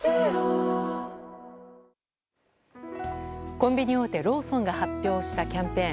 コンビニ大手、ローソンが発表したキャンペーン。